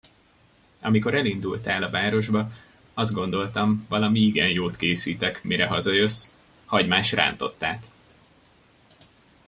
Amikor elindultál a városba, azt gondoltam, valami igen jót készítek, mire hazajössz: hagymás rántottát.